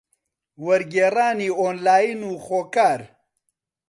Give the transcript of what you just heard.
وەرگێڕانی ئۆنلاین و خۆکار